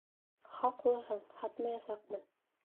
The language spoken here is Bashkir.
Хаҡлыһың, һатмаясаҡмын.